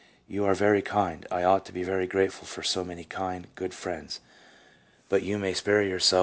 You are very kind: I ought to be very grateful for so many kind, good friends ; but you may spare yourself the 1 G.